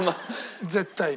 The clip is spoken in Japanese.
絶対に。